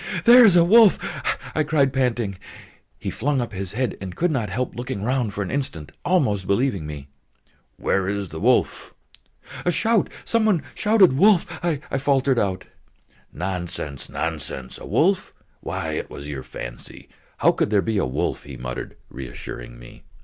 "There is a wolf!" I cried, panting. He flung up his head, and could not help looking round for an instant, almost believing me. "Where is the wolf?" "A shout ... some one shouted: 'wolf' ..." I faltered out. "Nonsense, nonsense! A wolf? Why, it was your fancy! How could there be a wolf?" he muttered, reassuring me.